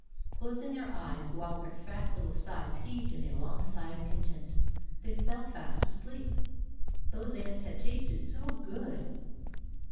Closing their eyes, while their fat little sides heaved in a long sigh of content, they fell fast asleep. Those ants had tasted so good!